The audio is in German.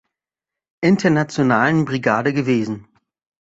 Internationalen Brigade gewesen.